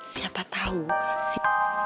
siapa tau si